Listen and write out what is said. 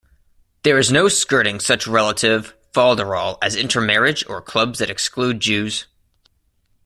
There is no skirting such relative "fol-de-rol" as intermarriage or clubs that exclude Jews.